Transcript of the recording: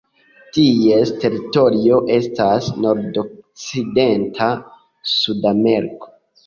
Ties teritorio estas nordokcidenta Sudameriko.